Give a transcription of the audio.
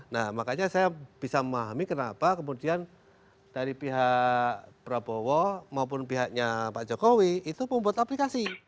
nah makanya saya bisa memahami kenapa kemudian dari pihak prabowo maupun pihaknya pak jokowi itu membuat aplikasi